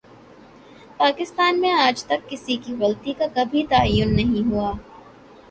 پاکستان میں آج تک کسی کی غلطی کا کبھی تعین نہیں ہوا